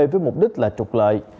với mục đích là trục lợi